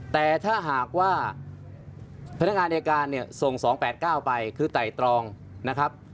แต่ถ้าหากว่าพนักงานอายการเนี่ยส่ง๒๘๙ไปคือไต่ตรองนะครับ